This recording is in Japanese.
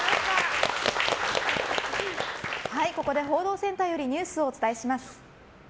ここで報道センターよりニュースをお伝えします。